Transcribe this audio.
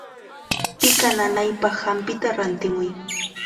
Piqa nanaypaq hampita rantimuy.